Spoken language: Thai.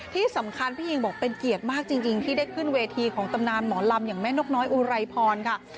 ที่สำคัญพี่หญิงบอกเป็นเกียรติมากจริงที่ได้ขึ้นเวทีของตำนานหมอลำอย่างแม่นกน้อยอุไรพรค่ะ